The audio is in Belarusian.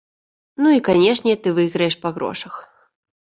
Ну, і, канешне, ты выйграеш па грошах.